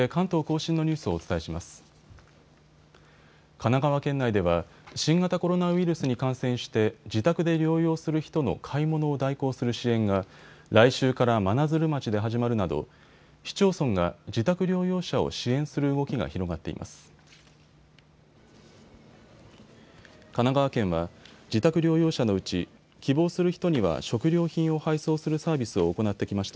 神奈川県内では新型コロナウイルスに感染して自宅で療養する人の買い物を代行する支援が来週から真鶴町で始まるなど市町村が自宅療養者を支援する動きが広がっています。